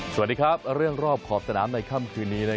สวัสดีครับเรื่องรอบขอบสนามในค่ำคืนนี้